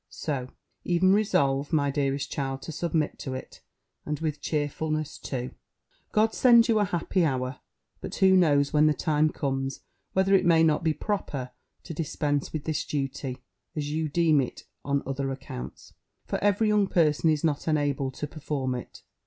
So e'en resolve, my dearest child, to submit to it, and with cheerfulness too. God send you an happy hour! But who knows, when the time comes, whether it may not be proper to dispense with this duty, as you deem it, on other accounts? For every young person is not enabled to perform it.